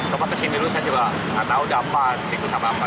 kepala pesimilusnya juga gak tahu dapat tikus apa apa